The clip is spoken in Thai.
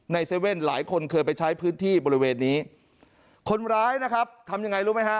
เซเว่นหลายคนเคยไปใช้พื้นที่บริเวณนี้คนร้ายนะครับทำยังไงรู้ไหมฮะ